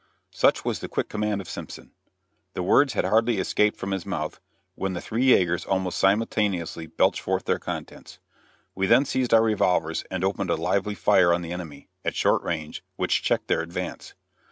Such was the quick command of Simpson. The words had hardly escaped from his mouth, when the three yagers almost simultaneously belched forth their contents. We then seized our revolvers and opened a lively fire on the enemy, at short range, which checked their advance.